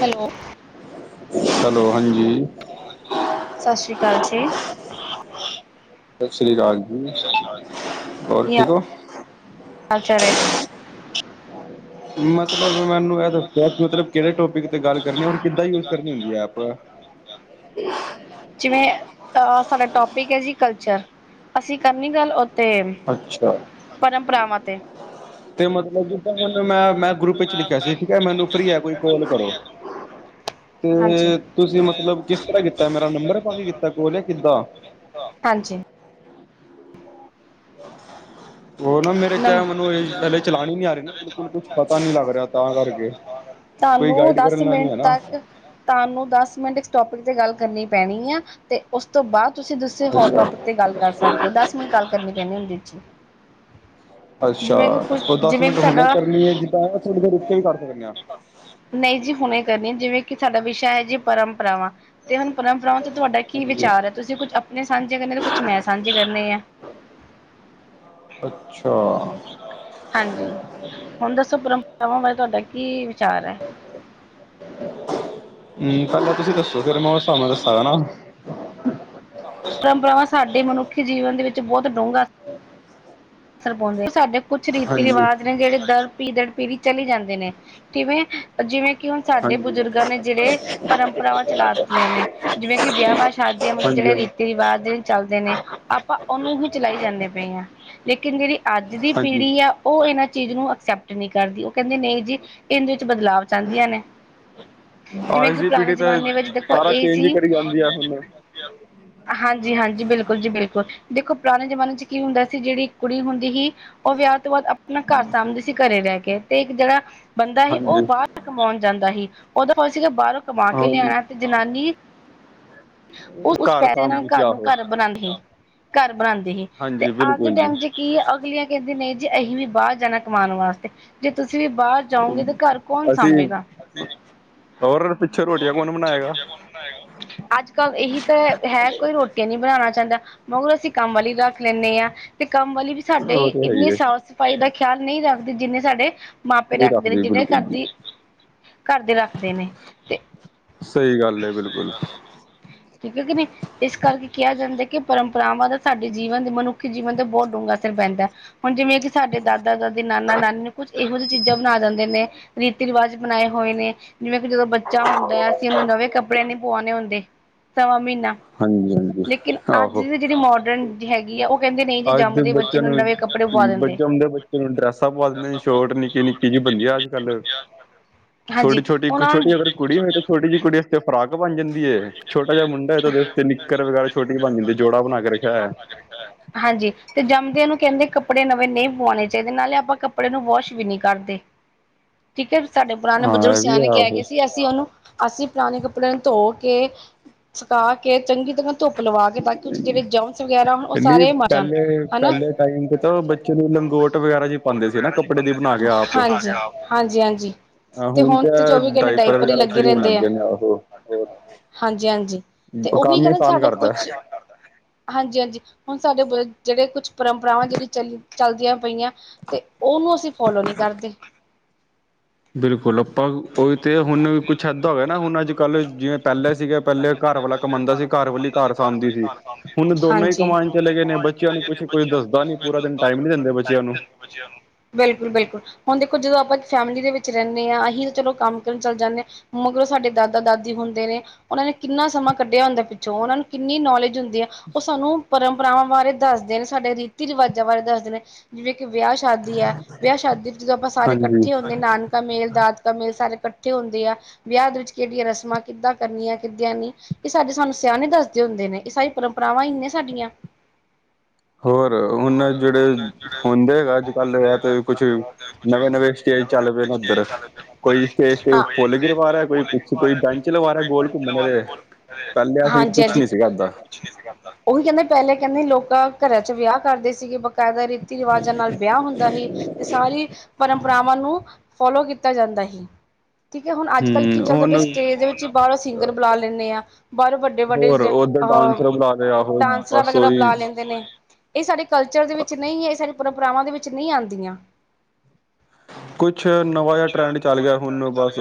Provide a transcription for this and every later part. Hello. Hello, ਹਾਂਜੀ। ਸਤਿ ਸ਼੍ਰੀ ਅਕਾਲ ਜੀ, ਸਤਿ ਸ੍ਰੀ ਅਕਾਲ ਜੀ। ਹੋਰ, ਠੀਕ ਹੋ? ਅੱਛਾ ਵੀਰ ਜੀ। ਮਤਲਬ ਮੈਨੂੰ ਇਹ ਦੱਸੋ, ਮਤਲਬ ਕਿਹੜੇ ਟੋਪਿਕ ਤੇ ਗੱਲ ਕਰਨੀ ਰੋਂਦੀ। ਕਿੱਦਾਂ ਯੂਜ ਕਰਨੀ ਹੁੰਦੀ ਹੈ ਐਪ। ਜਿਵੇਂ ਅਹ ਸਾਡਾ ਟੋਪਿਕ ਹੈ ਜੀ ਕਲਚਰ। ਅਸੀਂ ਕਰਨੀ ਗੱਲ ਤੇ ਅੱਛਾ ਪਰੰਪਰਾਵਾਂ ਤੇ। ਤੇ ਮਤਲਬ ਜਿੱਦਾਂ ਹੁਣ ਮੈਂ ਗਰੁੱਪ ਵਿੱਚ ਲਿਖਿਆ ਸੀ। ਠੀਕ ਹੈ, ਮੈਨੂੰ ਫਰੀ ਹੈ ਕੋਈ ਕਾਲ ਕਰੋ। ਤੇ ਹਾਂਜੀ, ਤੁਸੀਂ ਮਤਲਬ ਕਿਸ ਤਰਾਂ ਕੀਤਾ, ਮੇਰਾ ਨੰਬਰ ਪਾ ਕੇ ਕੀਤਾ। ਕੋਲ ਨੀ ਕਿੱਤਾ। ਹਾਂਜੀ। [inaudible] ਉਹ ਨਾ ਮੇਰੇ ਕਿਹਾ, ਨੰ ਮੈਨੂੰ ਇਹ ਪਹਿਲੇ ਚਲਾਣੀ ਨੀ ਆ ਰਹੀ ਨਾ, ਬਿਲਕੁਲ ਕੁਛ ਪਤਾ ਨੀ ਲੱਗ ਰਿਹਾ ਤਾਂ ਕਰਕੇ। ਕੋਈ ਤੁਹਾਨੂੰ ਗਾਈਡ ਦਸ ਕਰਨ ਆਲਾ ਨੀ ਮਿੰਟ ਹੈ ਨਾ। ਤੱਕ ਤੁਹਾਨੂੰ ਦਸ ਮਿੰਟ ਇਸ ਟੋਪਿਕ ਤੇ ਗੱਲ ਕਰਨੀ ਪੈਣੀ ਆ। ਤੇ ਉਸ ਤੋਂ ਬਾਅਦ ਤੁਸੀਂ ਦੁਸਰੇ ਹੋਰ ਅੱਛਾ ਟੋਪਿਕ ਤੇ ਗੱਲ ਕਰ ਸਕਦੇ ਹੋ ਦਸ ਮਿੰਟ ਗੱਲ ਕਰਨੀ ਪੈਣੀ ਇਹਦੇ 'ਚ ਅੱਛਾ ਕੁਛ ਉਹ ਦਸ ਜਿਵੇਂ ਕਿ ਮਿੰਟ ਹੁਣੇ ਸਾਡਾ ਕਰਨੀ ਹੈ ਜਿੱਦਾਂ ਥੋੜੀ ਦੇਰ ਰੁਕ ਕੇ ਵੀ ਕਰ ਸਕਦੇ ਆਂ। ਨਹੀਂ ਜੀ ਹੁਣੇ ਕਰਨੀ ਜਿਵੇਂ ਕਿ ਸਾਡਾ ਵਿਸ਼ਾ ਹੈ ਜੀ ਪਰੰਪਰਾਵਾਂ ਤੇ ਹੁਣ ਪਰੰਪਰਾਵਾਂ ਤੋਂ ਤੁਹਾਡਾ ਕੀ ਹਾਂਜੀ। ਵਿਚਾਰ ਹੈ ਤੁਸੀਂ ਕੁੱਛ ਆਪਣੇ ਸਾਂਝੇ ਕਰਨੇ ਤੇ ਕੁਛ ਮੈਂ ਸਾਂਝੇ ਕਰਨੇ ਆ। ਅੱਛਾ ਹਾਂਜੀ ਹੁਣ ਦੱਸੋ ਪਰੰਪਰਾਵਾਂ ਬਾਰੇ ਤੁਹਾਡਾ ਕੀ ਵਿਚਾਰ ਐ। ਹੂੰ ਪਹਿਲਾਂ ਤੁਸੀਂ ਦੱਸੋ ਫੇਰ ਮੈਂ ਉਸ ਸਾਬ ਨਾਲ ਦੱਸਾਂਗਾ ਨਾ। ਪਰੰਪਰਾਵਾਂ ਸਾਡੇ ਮਨੁੱਖੀ ਜੀਵਨ ਦੇ ਵਿੱਚ ਬਹੁਤ ਡੂੰਘਾ [inaudible] ਸਰ ਪਾਉਂਦੇ ਸਾਡੇ ਕੁਛ ਰੀਤੀ ਹਾਂਜੀ, ਰਿਵਾਜ ਨੇ ਜਿਹੜੇ ਦਰ ਪੀੜੀ ਦੜ ਪੀੜੀ ਚਲੀ ਜਾਂਦੇ ਨੇ ਤਿਵੇਂ ਜਿਵੇਂ ਕਿ ਹੁਣ ਸਾਡੇ ਹਾਂਜੀ, ਬਜ਼ੁਰਗਾਂ ਨੇ ਜਿਹੜੇ ਪਰੰਪਰਾਵਾਂ ਚਲਾ ਦਿੱਤੀਆਂ ਨੇ ਜਿਵੇਂ ਕਿ ਵਿਆਹਵਾਂ ਸ਼ਾਦੀਆਂ ਹਾਂਜੀ, ਮਤਲਬ ਜਿਹੜੇ ਹਾਂਜੀ, ਰੀਤੀ ਰਿਵਾਜ ਜਿਹੇ ਚੱਲਦੇ ਨੇ ਆਪਾਂ ਉਹਨੂੰ ਹੀ ਚਲਾਈ ਜਾਂਦੇ ਪਏ ਆਂ ਲੇਕਿਨ ਜਿਹੜੀ ਅੱਜ ਦੀ ਹਾਂਜੀ। ਪੀੜ੍ਹੀ ਆ ਉਹ ਇਹਨਾਂ ਚੀਜ਼ ਨੂੰ ਅਕਸੈਪਟ ਨਹੀਂ ਕਰਦੀ ਓ। ਕਹਿੰਦੇ ਨਹੀਂ ਜੀ ਇਹਦੇ ਵਿੱਚ ਬਦਲਾਵ ਚਾਹੁੰਦੀਆਂ ਨੇ। ਜਿਵੇਂ ਅੱਜ ਕਿ ਦੀ ਪੁਰਾਣੇ ਜਮਾਨੇ ਵਿੱਚ ਦੇਖੋ ਇਹ ਸੀ। ਤੇ ਹੁਣ ਹਾਂਜੀ-ਹਾਂਜੀ ਬਿਲਕੁਲ ਜੀ ਬਿਲਕੁਲ ਦੇਖੋ ਪੁਰਾਣੇ ਜਮਾਨੇ 'ਚ ਕੀ ਹੁੰਦਾ ਸੀ ਜਿਹੜੀ ਕੁੜੀ ਹੁੰਦੀ ਹੀ ਉਹ ਵਿਆਹ ਤੋਂ ਬਾਅਦ ਆਪਣਾ ਘਰ ਸਾਂਭਦੀ ਸੀ ਘਰੇ ਰਹਿ ਕੇ ਤੇ ਇੱਕ ਜਿਹੜਾ ਬੰਦਾ ਸੀ ਉਹ ਹਾਂਜੀ, ਬਾਹਰ ਕਮਾਉਣ ਜਾਂਦਾ ਸੀ ਉਹਦੋਂ ਹੋ ਸੀਗਾ ਬਾਹਰੋਂ ਕਮਾ ਕੇ ਹੁਣ ਲਿਆਉਣਾ ਤੇ ਜਨਾਨੀ ਉਹ ਉਸ ਘਰ ਪੈਹੇ ਨਾਲ ਸਾਂਭਦੀ ਸੀ ਘਰ ਨੂੰ ਆਹੋ। ਘਰ ਬਨਾਂਦੀ ਸੀ ਘਰ ਬਣਾਂਦੀ ਹੀ ਤੇ ਹਾਂਜੀ ਅੱਜ ਦੇ ਬਿਲਕੁਲ ਟੈਮ ਜੀ, ਤੇ ਕੀ ਅਗਲੀਆਂ ਕਹਿੰਦੀ ਨਹੀਂ ਜੀ ਅਸੀਂ ਵੀ ਬਾਹਰ ਜਾਣਾ ਕਮਾਉਣ ਵਾਸਤੇ ਜੇ ਤੁਸੀਂ ਵੀ ਬਾਹਰ ਜਾਓਗੇ ਤਾਂ ਘਰ ਕੌਣ ਅਸੀਂ ਸਾਂਭੇਗਾ ਹੋਰ ਪਿੱਛੋਂ ਰੋਟੀਆਂ ਕੌਣ ਬਣਾਏਗਾ। ਹੁਣ ਆਏਗਾ। ਅੱਜ ਕੱਲ ਇਹੀ ਤਾਂ ਹੈ ਕੋਈ ਰੋਟੀਆਂ ਨਹੀਂ ਬਣਾਣਾ ਚਾਹੁੰਦਾ। ਮਗਰੋ ਅਸੀਂ ਕੰਮ ਵਾਲੀ ਵੀ ਰੱਖ ਲੈਂਣੇ ਹਾਂ ਤੇ ਕੰਮ ਵਾਲੀ ਵੀ ਸਾਡੇ ਉਹ ਤੇ ਹੈ ਹੀ ਇੰਨੀ ਏ, ਸਾਫ਼ ਸਫ਼ਾਈ ਦਾ ਖਿਆਲ ਨਹੀਂ ਰੱਖਦੇ ਜਿੰਨੇ ਸਾਡੇ ਮਾਪੇ ਨਹੀਂ ਰੱਖਦੇ ਨੇ ਜਿਵੇਂ ਬਿਲਕੁਲ ਜੀ। ਘਰਦੀ ਘਰਦੇ ਰੱਖਦੇ ਨੇ ਤੇ ਸਹੀ ਗੱਲ ਏ ਬਿਲਕੁਲ ਠੀਕ ਹੈ ਕਿ ਨੀ। ਇਸ ਕਰਕੇ ਕਿਹਾ ਜਾਂਦਾ ਕਿ ਪਰੰਪਰਾਵਾਂ ਦਾ ਸਾਡੇ ਜੀਵਨ ਦੇ ਮਨੁੱਖੀ ਜੀਵਨ ਤੇ ਬਹੁਤ ਡੂੰਘਾ ਅਸਰ ਪੈਂਦਾ। ਹੁਣ ਜਿਵੇਂ ਕਿ ਸਾਡੇ ਦਾਦਾ ਦਾਦੀ, ਨਾਨਾ ਨਾਨੀ ਨੂੰ ਕੁਝ ਇਹੋ ਜਿਹੀ ਚੀਜ਼ਾਂ ਬਣਾ ਜਾਂਦੇ ਨੇ। ਰੀਤੀ ਰਿਵਾਜ ਬਣਾਏ ਹੋਏ ਨੇ ਜਿਵੇਂ ਕਿ ਜਦੋਂ ਬੱਚਾ ਹੁੰਦਾ ਹੈ ਅਸੀਂ ਉਹਨੂੰ ਨਵੇਂ ਕੱਪੜੇ ਨਹੀਂ ਪੁਆਉਣੇ ਹੁੰਦੇ। ਸਵਾਂ ਮਹੀਨਾ ਹਾਂਜੀ-ਹਾਂਜੀ, ਲੇਕਿਨ ਅੱਜ ਆਹੋ। ਦੀ ਜਿਹੜੀ ਮੋਡਰਨ ਦੀ ਹੈਗੀ ਆ ਉਹ ਕਹਿੰਦੇ ਨਹੀਂ ਜੀ ਅੱਜ ਦੇ ਜੰਮਦੇ ਬੱਚੇ ਬੱਚਿਆਂ ਨੂੰ ਨਵੇਂ ਕੱਪੜੇ ਪਵਾ ਦਿੰਦੇ ਬੱਚਾ ਹੁੰਦਾ ਬੱਚੇ ਨੂੰ ਡਰੈਸਾਂ ਪਾ ਦਿੰਦੇ ਨੇ ਸ਼ੋਰਟ ਨਿੱਕੇ -ਨਿੱਕੇ ਕੀ ਜੀ ਬਣਦੀਆ ਅੱਜ ਕੱਲ ਹਾਂਜੀ ਛੋਟੀ-ਛੋਟੀ ਕੁਛ ਉਹਨਾਂ ਨੂੰ ਛੋਟੀਆਂ ਫਿਰ ਕੁੜੀ ਹੋਏ ਤੇ ਛੋਟੀ ਜਿਹੀ ਕੁੜੀ ਆਸਤੇ ਫਰਾਕ ਬਣ ਜਾਂਦੀ ਛੋਟਾ ਜਿਹਾ ਮੁੰਡਾ ਤੇ ਉਹਦੇ ਉੱਤੇ ਨਿੱਕਰ ਵਗੈਰਾ ਛੋਟੀ ਬਣ ਜਾਂਦੀ ਜੋੜਾ ਬਣਾ ਕੇ ਰੱਖਿਆ ਹੋਇਆ। ਹਾਂਜੀ ਤੇ ਜੰਮਦਿਆਂਨੂੰ ਕਹਿੰਦੇ ਕੱਪੜੇ ਨਵੇਂ ਨਹੀਂ ਪੁਵਾਉਣੇ ਚਾਹੀਦੇ ਨਾਲੇ ਆਪਾਂ ਕੱਪੜੇ ਨੂੰ ਵਾਸ਼ ਵੀ ਨਹੀਂ ਕਰਦੇ। [inaudible] ਠੀਕ ਹੈ ਸਾਡੇ ਪੁਰਾਣੇ ਹਾਂ ਬਜ਼ੁਰਗ ਇਹ ਵੀ ਸਿਆਣੇ ਹੈ ਕਹਿ ਗਏ ਆਹੋ ਸੀ ਅਸੀਂ ਉਹਨੂੰ ਅਸੀਂ ਪੁਰਾਣੇ ਕੱਪੜਿਆਂ ਨੂੰ ਧੋ। ਕੇ ਸੁਕਾ ਕੇ ਚੰਗੀ ਤਰ੍ਹਾਂ ਧੁੱਪ ਲਵਾ ਕੇ ਤਾਂ ਕਿ ਉਹ ਜਿਹੜੇ ਜਮਸ ਵਗੈਰਾ ਹੋਣ ਉਹ ਨਹੀਂ ਸਾਰੇ ਮਰ ਜਾਣ ਪਹਿਲੇ ਹਨਾ। ਪਹਿਲੇ ਟਾਈਮ ਤੇ ਤਾਂ ਬੱਚੇ ਨੂੰ ਲੰਗੋਟ ਵਗੈਰਾ ਜੀ ਪਾਉਂਦੇ ਸੀ ਨਾ ਕੱਪੜੇ ਦੀ ਬਣਾ ਕੇ ਆਪ ਹਾਂਜੀ- ਹਾਂਜੀ- ਹਾਂਜੀ। ਤੇ ਹੁਣ ਤੇ ਤਾਂ ਚੌਵੀ ਘੰਟੇ ਡਾਇਪਰ ਹੀ ਵਗੈਰਾ ਲੱਗੇ ਸ਼ੁਰੂ ਹੋਣ ਰਹਿੰਦੇ ਲੱਗ ਆ। ਗਏ ਨੇ ਆਹੋ ਹੋਰ ਹਾਂਜੀ -ਹਾਂਜੀ ਤੇ ਉਹੀ ਕੰਮ ਹੀ ਕਹਿੰਨੇ ਆਸਾਨ ਸਾਡੇ ਕਰਤਾ ਕੁਛ ਹਾਂਜੀ -ਹਾਂਜੀ ਹੁਣ ਸਾਡੇ ਬ ਜਿਹੜੇ ਕੁਛ ਪਰੰਪਰਾਵਾਂ ਜਿਹੜੀ ਚੱਲ ਚੱਲਦੀਆਂ ਪਈਆਂ। ਤੇ ਉਹਨੂੰ ਅਸੀਂ ਫੋਲੋ ਨੀ ਕਰਦੇ। ਬਿਲਕੁਲ ਆਪਾਂ ਉਹ ਤੇ ਹੁਣ ਕੁਛ ਏਦਾਂ ਹੋ ਗਿਆ ਨਾ ਹੁਣ ਅੱਜ ਕੱਲ੍ਹ ਜਿਵੇਂ ਪਹਿਲੇ ਸੀਗੇ ਪਹਿਲੇ ਘਰ ਵਾਲਾ ਕਮਾਂਦਾ ਸੀ ਘਰ ਵਾਲੀ ਘਰ ਸਾਂਭਦੀ ਸੀ। ਹੁਣ ਦੋਨੋਂ ਹੀ ਹਾਂਜੀ। ਕਮਾਣ ਚਲੇ ਗਏ ਨੇ ਬੱ ਬੱਚਿਆਂ ਨੂੰ ਕੁਛ ਕੋਈ ਦੱਸਦਾ ਨੀ ਪੂਰਾ ਦਿਨ ਟਾਈਮ ਨੀ ਦਿੰਦੇ ਬੱਚਿਆਂ ਨੂੰ। ਬਚਿਆ ਨੂੰ, ਬਿਲਕੁਲ-ਬਿਲਕੁਲ। ਹੁਣ ਦੇਖੋ ਜਦੋਂ ਆਪਾਂ ਫੈਮਿਲੀ ਦੇ ਵਿੱਚ ਰਹਿੰਦੇ ਹਾਂ ਅਸੀਂ ਤਾਂ ਚਲੋ ਕੰਮ ਕੁਮ ਕਰਨ ਚੱਲ ਜਾਂਦੇ ਹਾਂ। ਮਗਰੋਂ, ਸਾਡੇ ਦਾਦਾ- ਦਾਦੀ ਹੁੰਦੇ ਨੇ। ਉਹਨਾਂ ਨੇ ਕਿੰਨਾ ਸਮਾਂ ਕੱਢਿਆ ਹੁੰਦਾ ਪਿੱਛੋਂ ਉਹਨਾਂ ਨੂੰ ਕਿੰਨੀ ਨੌਲੇਜ ਹੁੰਦੀ ਆ ਉਹ ਸਾਨੂੰ ਪਰੰਪਰਾਵਾਂ ਬਾਰੇ। ਦੱਸ ਦੇਨੇ ਸਾਡੇ ਰੀਤੀ ਰਿਵਾਜਾਂ ਬਾਰੇ ਦੱਸਦੇ ਨੇ। ਜਿਵੇਂ ਕਿ ਵਿਆਹ ਸ਼ਾਦੀ ਹੈ ਵਿਆਹ ਸ਼ਾਦੀ ਵਿੱਚ ਜਦੋਂ ਆਪਾਂ ਸਾਰੇ ਹਾਂਜੀ ਇਕੱਠੇ ਹੁੰਦੇ ਨਾਨ ਮੇਲ ਦਾਤ ਕਾ ਮੇਲ ਸਾਰੇ ਇਕੱਠੇ ਹੁੰਦੇ ਆ ਵਿਆਹ ਦੇ ਵਿੱਚ ਕਿਹੜੀਆਂ ਰਸਮਾਂ ਕਿੱਦਾਂ ਕਰਨੀਆਂ? ਕਿੱਦਿਆਂ ਨੀ ਇਹ ਸਾਡੇ ਸਾਨੂੰ ਸਿਆਣੇ ਦੱਸਦੇ ਹੁੰਦੇ ਨੇ, ਇਹ ਸਾਰੀ ਪਰੰਪਰਾਵਾਂ ਹੀ ਨੇ ਸਾਡੀਆਂ। ਹੋਰ ਹੁਣ ਜਿਹੜੇ ਹੁੰਦੇ ਗਾ ਅੱਜ-ਕੱਲ ਤੇ ਕੁਛ ਨਵੇਂ-ਨਵੇਂ ਸਟੇਜ ਚੱਲ ਪਏ ਨੇ ਉੱਧਰ ਕੋਈ ਸਟੇਜ ਤੇ ਹਾਂ ਫੁਲ ਗਿਰਵਾਾਰ ਕੋਈ ਤਾਂ ਕੋਈ ਬੈਂਚ ਲਵਾ ਰਿਹਾ ਗੋਲ ਘੁੰਮਣ ਵਾਲੇ, ਪਹਿਲਲੇ ਸੀ ਕੁਛ ਨੀ ਸੀਗਾ ਇਏਦਾਂ। ਨਹੀਂ ਸੀਗਾ ਇਦਾਂ ਉਹਹੀ ਕਹਿੰਦੇ ਪਹਿਲੇ ਕਹਿੰਦੇ ਲੋਕਾਂ ਘਰਾਂ ਚ ਵਿਆਹ ਕਰਦੇ ਸੀਗੇ ਬਕਾਇਦਾ ਰੀਤੀ ਰਿਵਾਜਾਂ ਨਾਲ ਵਿਆਹ ਹੁੰਦਾ ਸੀ, ਤੇ ਸਾਰੀ ਪਰੰਪਰਾਵਾਂ ਨੂੰ ਫੋਲੋ ਕੀਤਾ ਜਾਂਦਾ ਸੀ। ਠੀਕ ਹੈ, ਹੁਣ ਅੱਜ-ਕੱਲ੍ਹ ਕੀ ਹੂੰ ਚੱਲਦਾ ਹੁਣ ਪਿਆ ਸਟੇਜ ਦੇ ਵਿੱਚ ਬਾਹਰੋ ਸਿੰਗਰ ਬੁਲਾ ਲੈਂਦੇ ਆ ਬਾਹਰੋਂ ਵੱਡੇ-ਵੱਡੇ ਹੋਰ ਉਧਰ ਡਾਂਸਰ ਅਹ ਬੁਲਾ ਲਿਆ ਹੋਰ ਡਾਂਸਰਾਂ ਬਸ ਵਗੈਰਾ ਉਹੀ ਬੁਲਾ ਲੈਂਦੇ ਹਾ। ਇਹ ਸਾਡੇ ਕਲਚਰ ਦੇ ਵਿੱਚ ਨਹੀਂ ਹੈ ਇਹ ਸਾਡੀ ਪਰੰਪਰਾਵਾਂ ਦੇ ਵਿੱਚ ਨਹੀਂ ਆਉਂਦੀਆਂ। ਕੁਛ ਨਵਾਂ ਜਿਹਾ ਟਰੈਂਡ ਚੱਲ ਗਿਆ, ਹੁਣ ਬਸ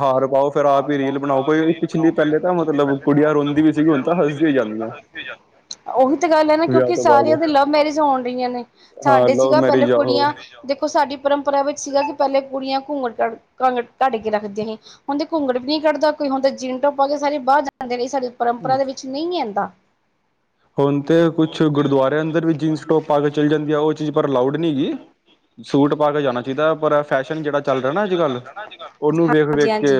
ਹਾਰ ਪਾਓ ਫੇਰ ਆਪ ਹੀ ਰੀਲ ਬਣਾਓ ਕੋਈ। ਪਿਛਲੀ ਪਹਿਲੇ ਤਾਂ ਮਤਲਬ ਕੁੜੀਆਂ ਰੋਂਦੀ ਵੀ ਸੀਗੀ, ਹੁਣ ਤਾਂ ਹੱਸਦੀਆਂ ਹੀ ਜਾਂਦੀਆਂ। ਦੀ ਜਾਂਦਿਆ ਉਹੀ ਤਾਂ ਗੱਲ ਹੈਨਾ ਵਿਆਹ ਕਿਉਂਕਿ ਤੋਂ ਸਾਰੀਆਂ ਬਾਅਦ ਦੇ ਲਵ ਮੈਰਿਜ ਹੋਣ ਰਹੀਆਂ ਨੇ, ਹਾਂ ਸਾਡੇ ਲਵ ਸੀਗਾ ਪਹਿਲਾਂ ਮੈਰਿਜ ਆਹੋ ਕੁੜੀਆਂ ਦੇਖੋ ਸਾਡੀ ਪਰੰਪਰਾ ਵਿੱਚ ਸੀਗਾ ਕਿ ਪਹਿਲੇ ਕੁੜੀਆਂ ਘੁੰਗੜ ਕ ਕਾਂਗ ਕੱਢ ਕੇ ਰੱਖਦੀਆਂ ਸੀ। ਹੁੰਦੇ ਘੁੰਗੜ ਵੀ ਨਹੀਂ ਕੱਢਦਾ ਕੋਈ ਹੁੰਦਾ ਜੀਨ ਟੋਪ ਪਾ ਕੇ ਸਾਰੇ ਬਾਹਰ ਜਾਂਦਿਆ, ਸਾਡੀ ਪਰੰਪਰਾ ਦੇ ਵਿੱਚ ਨਹੀਂ ਆਂਦਾ। ਹੁਣ ਤੇ ਕੁਛ ਗੁਰਦੁਆਰਿਆਂ ਅੰਦਰ ਵੀ ਜੀਨਸ ਟੋਪ ਪਾ ਕੇ ਚੱਲ ਜਾਂਦੀ ਆ, ਉਹ ਚੀਜ਼ ਪਰ ਅਲਾਊਡ ਨਹੀਂ ਹੈਗੀ। ਸੂਟ ਪਾ ਕੇ ਜਾਣਾ ਚਾਹੀਦਾ ਪਰ ਫੈਸ਼ਨ ਜਿਹੜਾ ਚੱਲ ਰਿਹਾ ਨਾ ਅੱਜ-ਕੱਲ੍ਹ ਉਹਨੂੰ ਹਾਂਜੀ ਵੇਖ-ਵੇਖ ਕੇ ਹਾਂਜੀ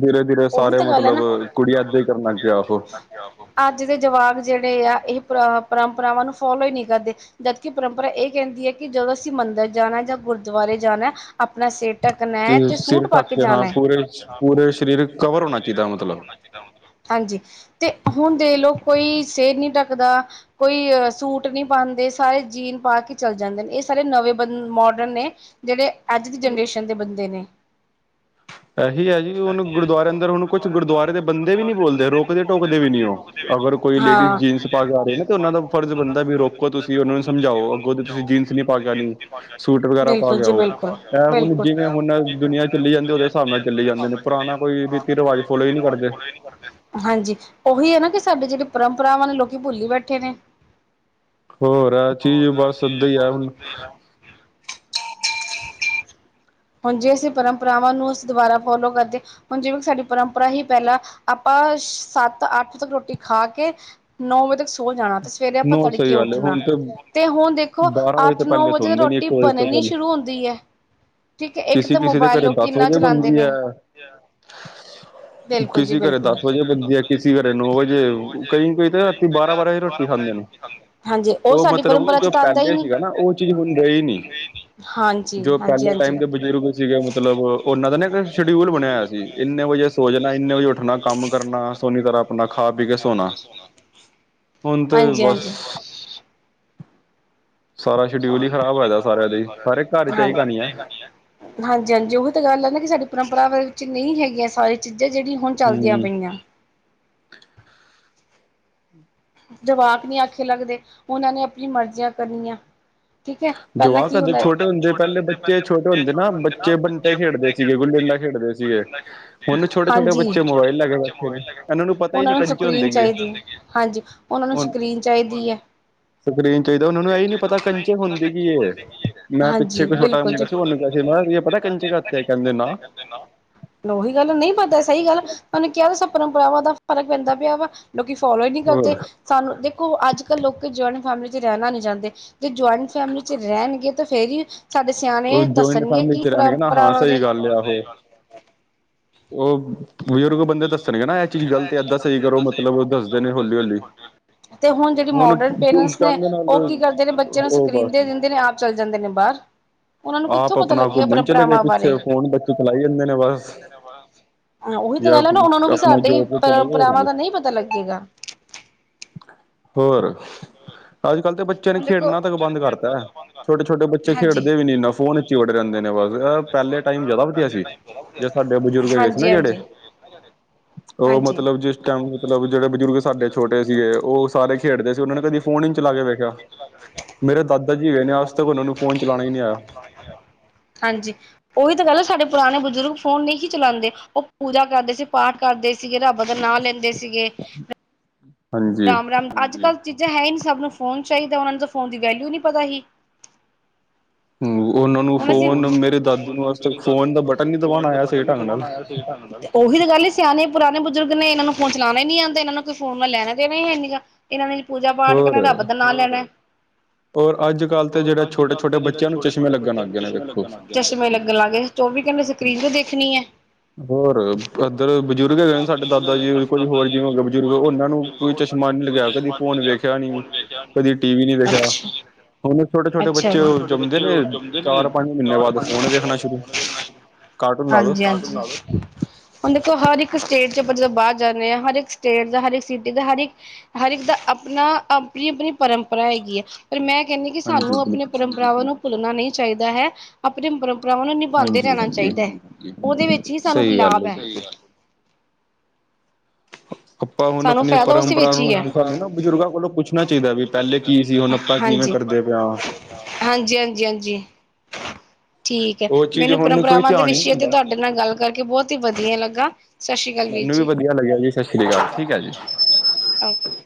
ਧੀਰੇ-ਧੀਰੇ ਉਹੀ ਸਾਰੇ ਤਾਂ ਗੱਲ ਹੈ ਮਤਲਬ ਨਾ ਕੁੜੀਆਂ ਇਏਦਾਂ ਹੀ ਕਰਨ ਲਗੀ ਆਹੋ। ਅੱਜ ਦੇ ਜਵਾਕ ਜਿਹੜੇ ਆ, ਇਹ ਪਰ ਪਰੰਪਰਾਵਾਂ ਨੂੰ ਫੋਲੋ ਹੀ ਨਹੀਂ ਕਰਦੇ। ਜਦਕਿ ਪਰੰਪਰਾ ਇਹ ਕਹਿੰਦੀ ਹੈ ਕਿ ਜਦੋਂ ਅਸੀਂ ਮੰਦਿਰ ਜਾਣਾ ਜਾਂ ਗੁਰਦੁਆਰੇ ਜਾਣਾ ਆਪਣਾ ਸੇਰ ਢੱਕਣਾ ਤੇ ਸਿਰ ਸੂਟ ਪਾ ਢੱਕ ਕੇ ਹਾਂ ਜਾਣਾ, ਸਿਰ ਪੂਰੇ ਢਕੇ, ਹਾਥ ਪੂਰੇ ਸਰੀਰ ਕਵਰ ਹੋਣਾ ਸਰੀਰ ਚਾਹੀਦਾ ਕਵਰ ਮਤਲਬ ਹੋਣਾ ਚਾਹੀਦਾ। ਹਾਂਜੀ, ਤੇ ਹੁਣ ਦੇਖ ਲਓ ਕੋਈ ਸਿਰ ਨਹੀਂ ਢੱਕਦਾ। ਕੋਈ ਸੂਟ ਨਹੀਂ ਪਾਉਂਦੇ, ਸਾਰੇ ਜੀਨ ਪਾ ਕੇ ਚੱਲ ਜਾਂਦੇ ਇਹ ਸਾਰੇ ਨਵੇਂ ਬ ਮੋਰਡਨ ਨੇ ਜਿਹੜੇ ਅੱਜ ਦੀ ਜਨਰੇਸ਼ਨ ਦੇ ਬੰਦੇ ਨੇ। ਇਹੀ ਹੈ ਜੀ ਹੁਣ ਗੁਰਦੁਆਰੇ ਅੰਦਰ ਹੁਣ ਕੁਛ ਗੁਰਦੁਆਰੇ ਦੇ ਬੰਦੇ ਵੀ ਨਹੀਂ ਬੋਲਦੇ ਰੋਕਦੇ-ਟੋਕਦੇ ਵੀ ਨੀ ਉਹ। ਅਗਰ ਕੋਈ ਲੇਡੀਜ਼ ਹਾਂ ਜੀਨਸ ਪਾ ਕੇ ਆ ਰਹੀ ਨਾ ਤੇ ਉਹਨਾ ਦਾ ਫਰਜ਼ ਬਣਦਾ ਵੀ ਰੋਕੋ ਤੁਸੀਂ ਉਹਨਾ ਨੂੰ ਸਮਝਾਓ, ਅੱਗੋਂ ਦੇ ਤੁਸੀਂ ਜੀਨ ਜੀਨ ਪਹ ਕੇ ਨੀ ਆਣੀ, ਸੂਟ ਵਗੈਰਾ ਬਿਲਕੁਲ ਪਾਕੇ ਜੀ ਆਓ, ਉਹ ਬਿਲਕੁਲ ਇਹ ਹੁਣ ਜਿਵੇਂ ਹੁਣ ਦੁਨੀਆਂ ਚੱਲ ਜਾਂਦੀ ਉਹਦੇ ਜੀ ਹਿਸਾਬ ਨਾਲ ਅੱਜ-ਕੱਲ ਚੱਲੀ ਦੇ ਜਾਂਦੇ ਹਿਸਾਬ ਨੇ ਨਾਲ ਚਲੇ ਪੁਰਾਣਾ ਜਾਂਦੀ, ਕੋਈ ਪੁਰਾਣਾ ਰੀਤੀ ਕੋਈ ਰਿਵਾਜ ਫੋਲੋ ਹੀ ਨਹੀਂ ਰੀਤੀ-ਰਿਵਾਜ਼ ਕਰਦੇ ਫੋਲੋ ਹੀ ਨਹੀਂ ਕਰਦੇ। ਹਾਂਜੀ, ਉਹੀ ਹੈ ਨਾ ਕਿ ਸਾਡੇ ਜਿਹੜੇ ਪਰੰਪਰਾਵਾਂ ਨੇ ਲੋਕੀ ਭੁੱਲੀ ਬੈਠੇ ਨੇ। ਹੋਰ ਆ ਚੀਜ਼ ਬਸ ਇਦਾ ਹੀ ਹੈ ਹੁਣ। ਜੇ ਅਸੀਂ ਪਰੰਪਰਾਵਾਂ ਨੂੰ ਅਸੀਂ ਦੁਬਾਰਾ ਫੋਲੋ ਕਰਦੇ ਹੁਣ ਜਿਵੇਂ ਸਾਡੀ ਪਰੰਪਰਾ ਹੀ ਪਹਿਲਾਂ ਆਪਾਂ ਸੱਤ-ਅੱਠ ਤੱਕ ਰੋਟੀ ਖਾ ਕੇ ਨੌ ਵਜੇ ਤੱਕ ਸੋ ਜਾਣਾ ਤੇ ਸਵੇਰੇ ਆਪਾਂ ਨੋ ਸਹੀ ਤੜਕੇ ਗੱਲ ਹੈ ਉੱਠਣਾ ਹੁਣ ਤੇ ਹੁਣ ਦੇਖੋ ਬਾਰਾਂ ਵਜੇ ਤੋਂ ਅੱਠ-ਨੌ ਪਹਿਲੇ ਵਜੇ ਤਕ ਸੌਂਦੇ ਨੀ ਰੋਟੀ ਇੱਕ ਵਜੇ ਤੋਂ ਬਨਣੀ ਪਹਿਲੇ ਸ਼ੁਰੂ ਹੁੰਦੀ ਹੈ। ਠੀਕ ਹੈ, ਇੱਕ ਕਿਸੇ ਤਾਂ ਕਿਸੇ ਦੇ ਮੋਬਾਇਲ ਘਰੇ ਲੋਕੀ ਦਸ ਇਨਾਂ ਵਜੇ ਚਲਾਉਂਦੇ ਬਣਦੀ ਨੇ। ਹੈ ਬਿਲਕੁਲ ਜੀ ਕਿਸੇ ਘਰਰੇ ਬਿਲਕੁਲ ਦਸ ਵਜੇ ਬੰਦੀ ਹੈ, ਕਿਸੀ ਘਰੇ ਨੌ ਵਜੇ। ਕਈ-ਕਈ ਤਾਂ ਰਾਤੀ ਬਾਰਾਂ-ਬਾਰਾਂ ਵਜੇ ਰੋ ਰੋਟੀ ਖਾਂਦੇ ਨੇ ਹਾਂਜੀ ਉਹ ਸਾਡੀ ਮਤਲਬ ਨਾ ਪਰੰਪਰਾ ਚ ਜੋ ਤਾਂ ਆਉਂਦਾ ਹੀ ਪਹਿਲੇ ਸੀਗਾ ਨਾ ਉਹ ਚੀਜ਼ ਹੁਣ ਰਹੀ ਨੀ। ਨਹੀਂ ਹਾਂਜੀ। ਜੋ ਹਾਂਜੀ ਪਹਿਲੇ ਹਾਂਜੀ ਟਾਈਮ ਦੇ ਬਜ਼ੁਰਗ ਸੀਗੇ ਮਤਲਬ ਉਹਨਾਂ ਦਾ ਨਾ ਇੱਕ ਸ਼ਡਿਊਲ ਬਣਇਆ ਹੋਇਆ ਸੀ ਇੰਨੇ ਵਜੇ ਕਿੰਨੇ ਵਜੇ ਸੋ ਜਾਣਾ, ਕਿਨੇ ਵਜੇ ਉਠਣਾ, ਕੰਮ ਕਰਨਾ ਫੇਰ ਸੋਹਣੀ ਤਰਹਾਂ ਆਪਣਾ ਖਾ-ਪੀ ਕੇ ਸੋਣਾ। ਹੁਣ ਤੇ ਬਸ ਹਾਂਜੀ-ਹਾਂਜੀ, ਹੁਣ ਤੇ ਬਸ। ਸਾਰਾ ਸ਼ਡਿਊਲ ਹੀ ਖਰਾਬ ਹੋਆ ਸਾਰਿਆਂ ਦੀ, ਸਾਰੇ ਘਰ ਇਚ ਏਹੀ ਕਹਾਣੀ ਹੈ। ਹਾਂਜੀ-ਹਾਂਜੀ ਉਹੀ ਤਾਂ ਗੱਲ ਹੈ, ਨਾ ਕਿ ਸਾਡੀ ਪਰੰਪਰਾ ਵਿੱਚ ਨਹੀਂ ਹੈਗੀਆਂ ਸੀਆਂ ਚੀਜ਼ਾਂ, ਜਿਹੜੀਆਂ ਹੁਣ ਚੱਲਦੀਆਂ ਹੂੰ ਪਈਆਂ। ਜਵਾਕ ਨਹੀਂ ਆਖੇ ਲੱਗਦੇ, ਉਹਨਾਂ ਨੇ ਆਪਣੀ ਮਰਜ਼ੀਆਂ ਕਰਨੀਆਂ। ਠੀਕ ਹੈ ਪਹਿਲਾਂ ਜਵਾਕ ਕੀ ਹੁੰ ਕਦੇ ਛੋਟੇ ਹੁੰਦੇ ਪਹਿਲੇ ਬੱਚੇ ਛੋਟੇ ਹੁੰਦੇ ਨਾ ਬੱਚੇ ਬੰਟੇ ਖੇਡਦੇ ਸੀਗੇ ਗੁੱਲੀ ਡੰਡਾ ਖੇਡਦੇ ਸੀਗੇ ਹੁਣ ਛੋਟੇ ਛੋਟੇ ਹਾਂਜੀ। ਬੱਚੇ ਮੋਬਾਇਲ ਲੈ ਕੇ ਬੈਠੇ ਨੇ ਇਹਨਾਂ ਪਤਾ ਹੀ ਉਹਨਾਂ ਨੀ ਨੂੰ ਕੰਚੇ ਸਕ੍ਰੀਨ ਹੁੰਦੇ ਕੀ ਹੈ ਚਾਹੀ ਦੀ ਐ, ਹਾਂਜੀ। ਉਹਨਾ ਨੂੰ ਹੁਣ ਸਕ੍ਰੀਨ ਚਾਹੀਦੀ ਐ। ਤੇ ਹੁੰਦੀਕੀ ਇਹ। ਮੈਂ ਪਿੱਛੇ ਇੱਕ ਛੋਟਾ ਬਿਲਕੁਲ ਮੁੰਡਾ ਜੀ ਸੀ, ਉਹਨੂੰ ਕਿਹਾ ਸੀ ਮੈਂ ਕਿਹਾ ਤੁਝੇ ਪਤਾ ਹੈ, ਕੰਚੇ ਘਾਤੇ ਹੈਂ, ਕਹਿੰਦਾ ਨਾ। ਉਹੀ ਗੱਲ, ਨਹੀਂ ਪਤਾ ਸਹੀ ਗੱਲ ਐ, ਉਹਨੇ ਕਿਹਾ ਸਬ ਪਰੰਪਰਾਵਾਂ ਦਾ ਫਰਕ ਪੈਂਦਾ ਪਿਆ ਵਾ। ਲੋਕੀ ਫੋਲੋ ਹੀ ਨਹੀਂ ਹੋਰ ਕਰਦੇ, ਸਾਨੂੰ ਦੇਖੋ ਅੱਜ ਕੱਲ੍ਹ ਲੋਕੀ ਜਆਇੰਟ ਫੈਮਿਲੀ ਤੇ ਰਹਿਣਾ ਨੀ ਚਾਹਦੇ। ਜੇ ਜੁਆਇੰਟ ਫੈਮਿਲੀ ਚ ਰਹਿਣਗੇ, ਤੇ ਫੇਰ ਹੀ। ਸਾਡੇ ਉਹ ਸਿਆਣੇ ਜੁਆਇੰਟ ਦੱਸਣਗੇ, ਫੈਮਿਲੀ ਕੀ ਚ ਰਹਿਣਗੇ ਨਾ ਪਰੰਪਰਾ ਹਾਂ ਸਹੀ ਬਾਰੇ ਉ ਹੂ ਬਜ਼ੁਰਗ ਬੰਦੇ ਦੱਸਣਗੇ ਨਾ, ਇਹ ਚੀਜ਼ ਗਲਤ ਏ, ਏਦਾਂ ਸਹੀ ਕਰੋ ਮਤਲਬ ਦੱਸਦੇ ਨੇ ਹੌਲੀ-ਹੌਲੀ। ਤੇ ਹੁਣ ਜਿਹੜੀ ਮੋਡਰਨ ਪੇਰੈਂਟਸ ਨੇ, ਜਾਂਦੇ ਨਾਲ ਉਹ ਕੀ ਕਰਦੇ ਨੇ, ਬੱਚਿਆਂ ਨੂੰ ਉਹ ਸਕ੍ਰੀਨ ਬਸ ਦੇ ਦਿੰਦੇ ਨੇ ਆਪ ਚੱਲ ਜਾਂਦੇ ਨੇ ਬਾਹਰ। ਉਹਨਾਂ ਨੂੰ ਕਿੱਥੋਂ ਆਪ ਪਤਾ ਆਪਣਾ ਲੱਗੇਗਾ ਘੁੰਮਣ ਚਲੇ ਗਏ, ਪਰੰਪਰਾਵਾਂ ਬਾਰੇ ਪਿੱਛੇ ਫੋਨ ਬੱਚੇ ਚਲਾਈ ਜਾਂਦੇ ਨੇ ਬਸ ਹਾ, ਉਹੀ ਤਾਂ ਜਾਂ ਗੱਲ ਹੈ ਨਾ, ਉਹ ਨੂੰ ਵੀ ਆਪਣਾ ਸਾਡੀ ਜੋਬ ਤੇ ਚਲੇ ਗਏ ਹੋਰ ਪਰੰਪਰਾਵਾਂ ਕੀ ਦਾ ਨਹੀਂ ਪਤਾ ਲੱਗੇਗਾ ਹੋਰ ਅੱਜ ਕੱਲ੍ਹ ਤਾਂ ਬੱਚਿਆਂ ਨੇ ਹੁਣ ਦੇਖੋ ਖੇਡਣਾ ਤੱਕ ਬੰਦ ਕਰਤਾ, ਛੋਟੇ ਛੋਟੇ ਬੱਚੇ ਖੇਡਦੇ ਹਾਂਜੀ ਵੀ ਫੋਨ ਹੀ ਵੜੇ ਰਹਿੰਦੇ ਨੇ ਬਸ, ਪਹਿਲੇ ਟਾਈਮ ਜਿਆਦਾ ਵਧੀਆ ਸੀ, ਜੇ ਸਾਡੇ ਬਜ਼ੁਰਗ ਹੈਗੇ ਸੀ ਨਾ ਜਿਹੜੇ ਕਿ ਜੇੜੇ ਉਹ ਮਤਲਬ ਜਿਸ ਟਾਈਮ ਮਤਲਬ ਜਿਹੜੇ ਬਜ਼ੁਰਗ ਸਾਡੇ ਛੋਟੇ ਸੀਗੇ, ਉਹ ਸਾਰੇ ਖੇਡਦੇ ਸੀ, ਉਹਨਾਂ ਨੇ ਕਦੀ ਫੋਨ ਹੀ ਚਲਾ ਕੇ ਵੇਖੇ [unintelligible] ਮੇਰੇ ਦਾਦਾ ਜੀ ਹੈਗੇ ਨੇ, ਅਜ ਤਕ ਔ ਨਾਨੂੰ ਫੋਨ ਚ ਹਾਂਜੀ ਉਹੀ ਤਾਂ ਗਹਿੱਲ ਐ, ਸਾਡੇ ਪੁਰਾਣੇ ਬਜ਼ੁਰਗ ਫੋਨ ਨਹੀਂ ਸੀ ਚਲਾਉਂਦੇ ਉਹ ਪੂਜਾ ਕਰਦੇ ਸੀ, ਪਾਠ ਕਰਦੇ ਸੀਗੇ, ਰੱਬ ਦਾ ਨਾਂ ਲੈਂਦੇ ਸੀ ਸੀਗੇ ਹਾਂਜੀ ਰਾਮ ਰਾਮ, ਅੱਜ ਕੱਲ੍ਹ ਚੀਜ਼ਾਂ ਹੈ ਹੀ ਨਹੀਂ, ਸਭ ਨੂੰ ਫੋਨ ਚਾਹੀਦਾ, ਉਹਨਾਂ ਨੂੰ ਤਾਂ ਫੋਨ ਦੀ ਵੈਲਿਊ ਨਹੀਂ ਪਤਾ ਹੀ ਹ ਉਹਨਾਂ ਨੂੰ ਫੋਨ, ਮੇਰੇ ਦਾਦੀ ਨੂੰ ਅੱਜ ਤੱਕ ਫੋਨ ਦਾ ਬਟਨ ਨ ਦਬਾਉਣ ਆਇਆ ਸੀ ਢੰਗ ਨਾਲ ਉਹੀ ਤਾਂ ਗੱਲ ਹੀ ਸਿਆਣੇ ਪੁਰਾਣੇ ਬੁਜ਼ੁਰਗ ਨੇ, ਇਹਨਾਂ ਨੂੰ ਫੋਨ ਚਲਾਉਣਾ ਨੀ ਆਉਂਦੇ, ਇਹਨਾਂ ਨੂੰ ਫੋਨ ਨਾਲ ਲੈਣੇ ਦੇਣੇ ਨਹੀ ਹੈ ਨਿਗਾ ਇਹਨਾਂ ਨੇ ਪੂਜਾ ਪਾਠ ਕਰਨਾ, ਹੋਰ ਰੱਬ ਦਾ ਨ ਲੈਣਾ ਔਰ ਅੱਜ ਕੱਲ ਤੇ ਜਿਹੜਾ ਛੋਟੇ ਛੋੇਟੇ ਬੱਚਿਆਂ ਨੂੰ ਚਸ਼ਮੇ ਲਗਣ ਲੱਗ ਗੇ। ਚਸ਼ਮੇ ਲੱਗਣ ਲੱਗ ਗਏ, ਚੌਵੀ ਘੰਟੇ ਸਕ੍ਰੀਨ ਜੇ ਦੇਖਣੀ ਹੈ। ਹੋਰ ਇੱਧਰ ਬਜ਼ੁਰਗ ਹੈਗੇ ਨੇ ਸਾਡੇ ਦਾਦਾ ਜੀ, ਕੋਈ ਹੋਰ ਜਿਵੇਂ ਹੋ ਬਜ਼ੁਰਗ ਉਹਨਾਂ ਨੂੰ ਕੋਈ ਚਸ਼ਮਾ ਨੀ ਲੱਗਿਆ, ਕਦੇ ਫੋਨ ਵੇਖਿਆ ਨੀ, ਕਦੀ ਟੀ ਵੀ ਨੀ ਵੇਖਿਆ। ਅੱਛਾ, ਹੁਣ ਛੋਟੇ ਛੋਟੇ ਅੱਛਾ ਬੱਚੇ, ਜੀ। ਉਹ ਜੰਮਦੇ ਨੇ ਚਾਰ ਪੰਜ ਮਹੀਨੇ ਬਾਅਦ ਫੋਨ ਵੇਖਣਾ ਸ਼ੁਰੂ, ਕਾਰਟੂਨ ਲਾ ਦੋ ਲਾ ਦੋ ਹੁਣ ਦੇਖੋ ਹਰ ਇੱਕ ਸਟੇਟ ਚ ਆਪਾਂ ਜਦੋਂ ਬਾਹਰ ਜਾਂਦੇ ਹਾਂ, ਹਰ ਇੱਕ ਸਟੇਟ ਦਾ, ਹਰ ਇੱਕ ਸਿਟੀ ਦਾ, ਹਰ ਇੱਕ ਹਰ ਇੱਕ ਦਾ ਆਪਣਾ ਆਪਣੀ ਆਪਣੀ ਪਰੰਪਰਾ ਹੈਗੀ ਆ ਪਰ ਮੈਂ ਕਹਿੰਦੀ ਕਿ ਸਾਨੂੰ ਹਾਂਜੀ ਆਪਣੇ ਬਿਲਕੁਲ ਪਰੰਪਰਾਵਾਂ ਨੂੰ ਭੁੱਲਣਾ ਨਹੀਂ ਚਾਹੀਦਾ ਹੈ, ਆਪਣੇ ਪਰੰ ਭਰਾਵਾਂ ਨੂੰ ਨਿਭਾਉਂਦੇ ਹਾਂਜੀ ਰਹਿਣਾ ਹਾਂਜੀ ਚਾਹੀਦਾ ਹੈ, ਉਹਦੇ ਵਿੱਚ ਹੀ ਸਾਨੂੰ ਸਹੀ ਗੱਲ ਲਾਭ ਹੈ ਬਿਲਕੁਲ ਆਪਾਂ ਹੁਣ ਸਾਨੂੰ ਆਪਣੀ ਫਾਇਦਾ ਉਸੇ ਪਰੰਪਰਾ ਵਿੱਚ ਹੀ ਹੈ। ਨੂੰ, ਸਾਨੂੰ ਨਾ ਬਜ਼ੁਰਗਾਂ ਕੋਲੋਂ ਪੁੱਛਣਾ ਚਾਹੀਦਾ ਵੀ, ਪਹਿਲੇ ਕੀ ਸੀ ਹੁਣ ਆਪਾਂ ਕਿਵੇਂ ਹਾਂਜੀ ਕਰਦੇ ਪਏ ਹਾਂ ਹਾਂਜੀ ਹਾਂਜੀ ਹਾਂਜੀ ਠੀਕ ਹੈ, ਉਹ ਚੀਜ਼ ਮੈਨੂੰ ਹੁਣ ਕੋਈ ਪਰੰਪਰਾਵਾਂ ਦੇ ਧਿਆਨ ਹੀ ਨਹੀਂ ਵਿਸ਼ੇ ਤੇ ਦਿੰਦਾ ਤੁਹਾਡੇ ਨਾਲ ਗੱਲ ਕਰਕੇ ਬਹੁਤ ਹੀ ਵਧੀਆ ਲੱਗਾ ਸਤਿ ਸ਼੍ਰੀ ਅਕਾਲ ਵੀਰ ਮੈਨੂੰ ਵੀ ਵਧੀਆ ਲੱਗਿਆ ਜੀ ਸਤਿ ਸ਼੍ਰੀ ਅਕਾਲ ਠੀਕ ਹੈ ਜੀ ਠੀਕ ਹੈ ਜੀ ਓਕੇ